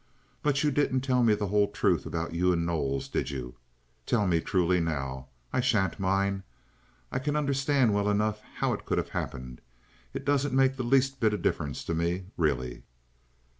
But you didn't tell me the whole truth about you and Knowles, did you? Tell me truly now. I sha'n't mind. I can understand well enough how it could have happened. It doesn't make the least bit of difference to me, really."